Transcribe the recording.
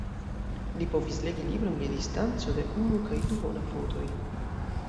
Li povis "legi libron je distanco de unu kaj duona futoj".